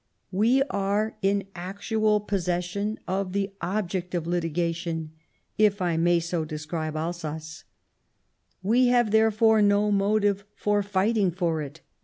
We are in actual possession of the object of litigation, if I may so describe Alsace ; we have therefore no motive for fighting for it.